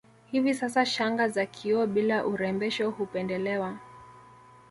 Hivi sasa shanga za kioo bila urembesho hupendelewa